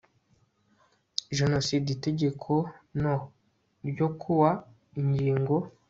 Jenoside Itegeko no ryo ku wa Ingingo